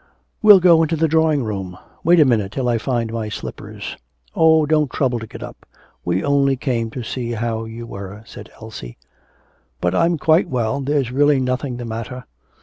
'We'll go into the drawing room. Wait a minute till I find my slippers.' 'Oh, don't trouble to get up; we only came to see how you were,' said Elsie. 'But I'm quite well, there's really nothing the matter.